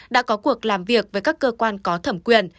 đã có cuộc làm việc với các cơ quan có thẩm quyền